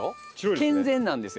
健全なんですよ。